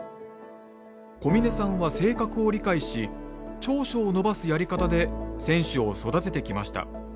小嶺さんは性格を理解し長所を伸ばすやり方で選手を育ててきました。